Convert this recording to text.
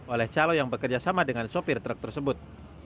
oleh calon yang bekerja sama dengan sopir truk tersebut